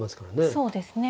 そうですね。